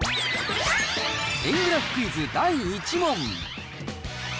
円グラフクイズ第１問。